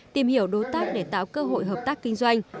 tìm hiểu đối tác để tạo cơ hội hợp tác kinh doanh